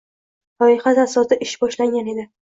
Loyihasi asosida ish boshlangan edi.